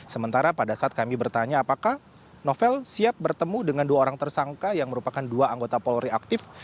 sementara pada saat kami bertanya apakah novel siap bertemu dengan dua orang tersangka yang merupakan dua anggota polri aktif